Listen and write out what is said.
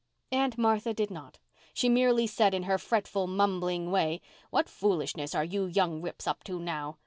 Aunt Martha did not. She merely said in her fretful mumbling way, "What foolishness are you young rips up to now?"